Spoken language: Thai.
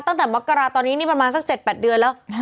ตั้งแต่มกราตอนนี้นี่ประมาณสัก๗๘เดือนแล้ว